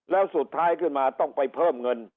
แล้วสุดท้ายขึ้นมาต้องไปเพิ่มเงิน